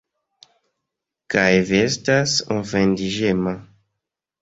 Kaj vi estas ofendiĝema.